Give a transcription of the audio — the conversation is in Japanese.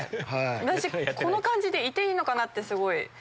私この感じでいていいのかなってすごい。